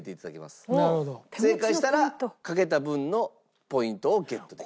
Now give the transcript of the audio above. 正解したらかけた分のポイントをゲットできると。